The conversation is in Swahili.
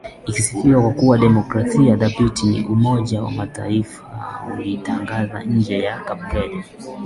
ikisifiwa kwa kuwa demokrasia dhabiti umoja wa mataifa ulitangaza nje ya cape verde